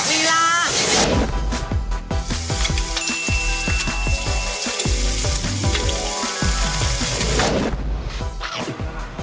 เวลา